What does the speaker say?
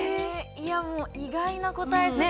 いやもう意外な答えすぎて。